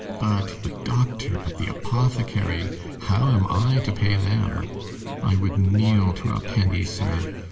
But the doctor! But the apothecary! How am I to pay them? I would kneel to a penny, sir!